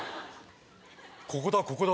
ここだここだ。